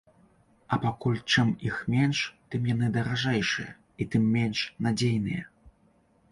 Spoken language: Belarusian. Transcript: А пакуль чым іх менш, тым яны даражэйшыя, і тым менш надзейныя.